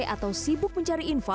atau sibuk mencari info